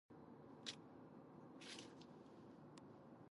Ένα σημαντικό κομμάτι της ιστορίας του δικαίου είναι η νομική αρχαιολογία.